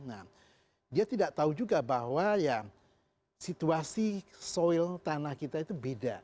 nah dia tidak tahu juga bahwa ya situasi soil tanah kita itu beda